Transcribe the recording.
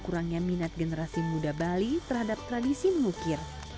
kurangnya minat generasi muda bali terhadap tradisi mengukir